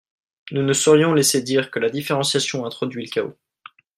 Nous ne saurions laisser dire que la différenciation introduit le chaos.